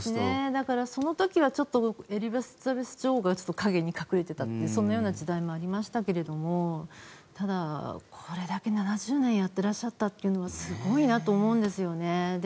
だから、その時はエリザベス女王が陰に隠れていたというそんな時代もありましたけれどただ、これだけ７０年やってらっしゃったというのはすごいなと思うんですよね。